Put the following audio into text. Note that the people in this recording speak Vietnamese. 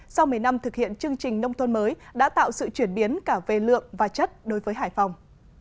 sau một mươi năm thực hiện chương trình nông thôn mới đã tạo sự chuyển biến cả về lượng và chất đối với hải phòng